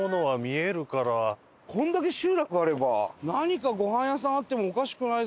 これだけ集落あれば何かごはん屋さんあってもおかしくないぞ？